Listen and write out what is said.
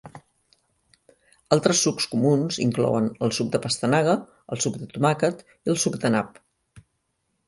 Altres sucs comuns inclouen el suc de pastanaga, el suc de tomàquet i el suc de nap.